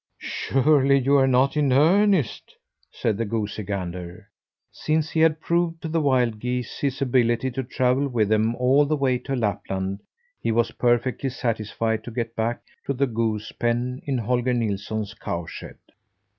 "Surely you are not in earnest!" said the goosey gander. Since he had proved to the wild geese his ability to travel with them all the way to Lapland, he was perfectly satisfied to get back to the goose pen in Holger Nilsson's cow shed.